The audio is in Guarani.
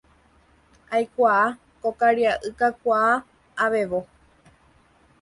Aikuaa ko karia'y kakuaa, avevo.